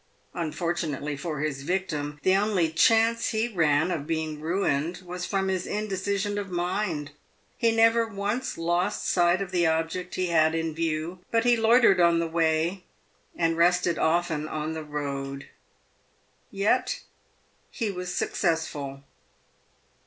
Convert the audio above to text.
Unfortunately for his victim, the only chance he ran of being ruined was from his indecision of mind. He never once lost sight of the object he had in view, but he loitered on the way, and rested often on the road. Yet he was successful.